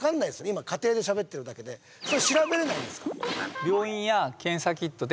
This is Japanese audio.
今仮定でしゃべってるだけでそれ調べれないんですか？